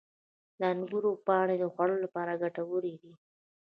• د انګورو پاڼې د خوړو لپاره ګټور دي.